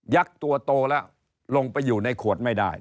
ักษ์ตัวโตแล้วลงไปอยู่ในขวดไม่ได้